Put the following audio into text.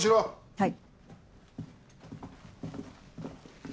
はい。